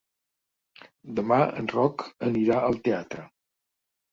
Demà en Roc anirà al teatre.